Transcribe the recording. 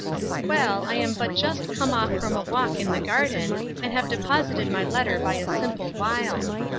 Well, I am but just come off from a walk in the garden, and have deposited my letter by a simple wile.